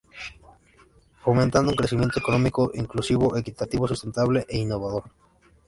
Fomentando un crecimiento económico inclusivo, equitativo, sustentable e innovador.